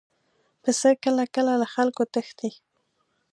پسه کله کله له خلکو تښتي.